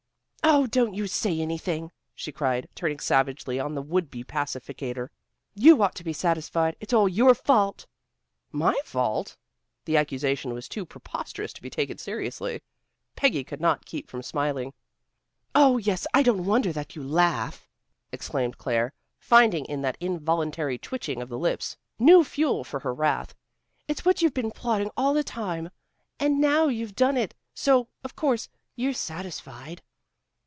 "Oh, don't you say anything," she cried, turning savagely on the would be pacificator. "You ought to be satisfied. It's all your fault." "My fault!" The accusation was too preposterous to be taken seriously. Peggy could not keep from smiling. "Oh, yes, I don't wonder that you laugh," exclaimed Claire, finding in that involuntary twitching of the lips new fuel for her wrath. "It's what you've been plotting all the time, and now you've done it, so, of course, you're satisfied."